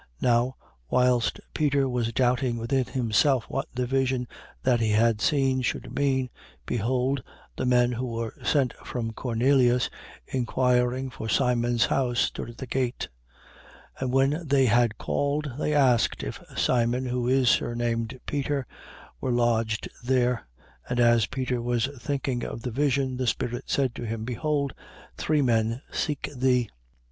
10:17. Now, whilst Peter was doubting within himself what the vision that he had seen should mean, behold the men who were sent from Cornelius, inquiring for Simon's house, stood at the gate. 10:18. And when they had called, they asked if Simon, who is surnamed Peter, were lodged there. 10:19. And as Peter was thinking of the vision, the Spirit said to him: Behold three men seek thee.